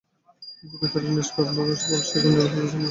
জুভদের বিপক্ষে নিষ্প্রভ বেল সেই গুঞ্জনের পালে যেন জোর হাওয়াই দিলেন।